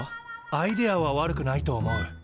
アイデアは悪くないと思う。